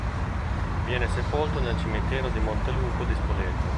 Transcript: Viene sepolto nel cimitero di Monteluco di Spoleto.